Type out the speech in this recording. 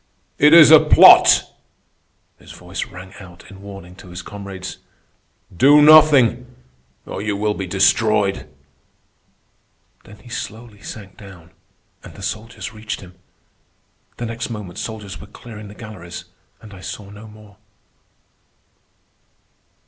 "It is a plot!" his voice rang out in warning to his comrades. "Do nothing, or you will be destroyed." Then he slowly sank down, and the soldiers reached him. The next moment soldiers were clearing the galleries and I saw no more.